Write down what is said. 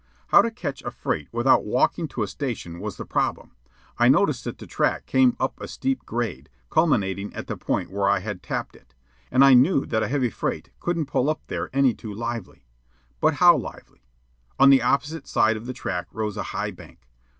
How to catch a freight without walking to a station was the problem. I noticed that the track came up a steep grade, culminating at the point where I had tapped it, and I knew that a heavy freight couldn't pull up there any too lively. But how lively? On the opposite side of the track rose a high bank.